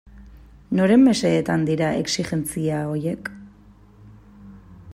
Noren mesedetan dira exijentzia horiek?